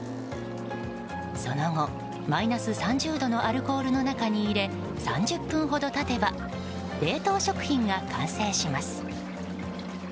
その後、マイナス３０度のアルコールの中に入れ３０分ほど経てば冷凍食品が完成します。